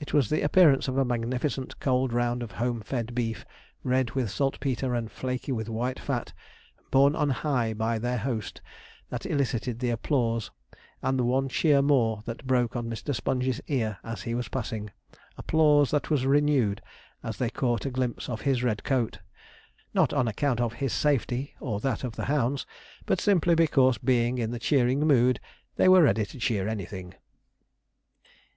It was the appearance of a magnificent cold round of home fed beef, red with saltpetre and flaky with white fat, borne on high by their host, that elicited the applause and the one cheer more that broke on Mr. Sponge's ear as he was passing applause that was renewed as they caught a glimpse of his red coat, not on account of his safety or that of the hounds, but simply because being in the cheering mood, they were ready to cheer anything.